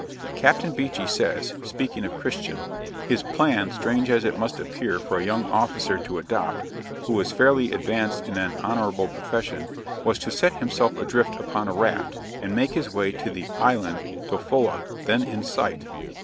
Captain Beechey says (speaking of Christian), 'His plan, strange as it must appear for a young officer to adopt, who was fairly advanced in an honourable profession, was to set himself adrift upon a raft, and make his way to the island (Tofoa) then in sight.